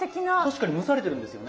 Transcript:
確かに蒸されてるんですよね。